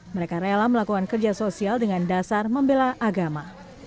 telah melakukan kerja sosial dengan dasar membela agama